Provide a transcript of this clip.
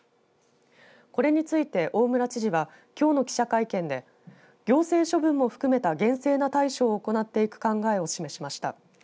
これについて大村知事はきょうの記者会見で行政処分も含めて厳正な対処を行っていく考えを示しました。